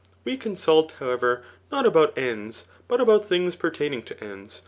We consult, however, not about aids, but about things pertaining to ends.